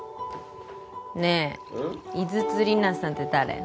ねえ井筒里奈さんって誰？